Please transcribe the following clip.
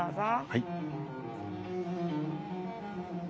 はい。